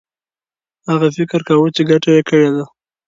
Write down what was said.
هغه فکر کاوه چي ګټه یې کړې ده.